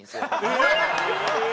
えっ！